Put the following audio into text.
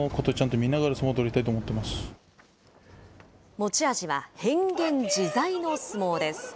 持ち味は変幻自在の相撲です。